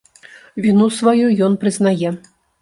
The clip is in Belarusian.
Віну сваю ён прызнае.